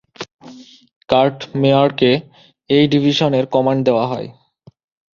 Cart মেয়ারকে এই ডিভিশনের কমান্ড দেয়া হয়।